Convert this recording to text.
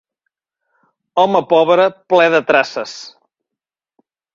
Home pobre, ple de traces.